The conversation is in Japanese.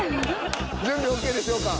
準備ＯＫでしょうか？